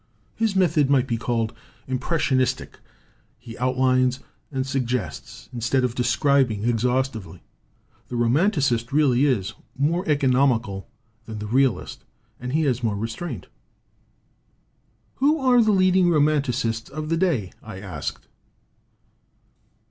His method might be called impressionistic; he outlines and suggests, instead of describing exhaustively. The romanticist really is more economical than the realist, and he has more restraint." 47 LITERATURE IN THE MAKING "Who are the leading romanticists of the day?" I asked.